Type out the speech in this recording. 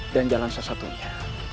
dan jalan sesatunya